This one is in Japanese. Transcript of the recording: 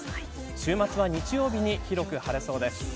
週末は日曜日に広く晴れそうです。